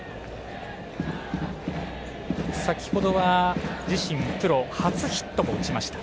先程は自身プロ初ヒットも打ちました。